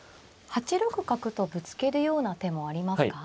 ８六角とぶつけるような手もありますか。